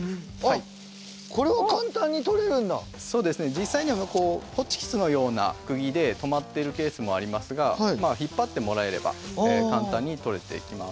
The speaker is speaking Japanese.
実際にはホチキスのような釘で留まっているケースもありますがまあ引っ張ってもらえれば簡単に取れていきます。